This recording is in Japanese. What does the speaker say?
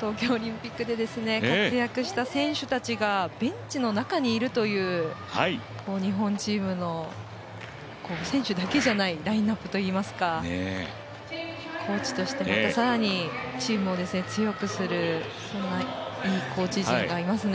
東京オリンピックで活躍した選手たちがベンチの中にいるという日本チームの、選手だけじゃないラインナップといいますかコーチとしてまた更にチームを強くする、そんないいコーチ陣がいますね。